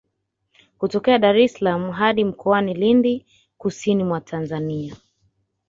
Kutokea Dar es salaam hadi mkoani Lindi kusini mwa Tanzania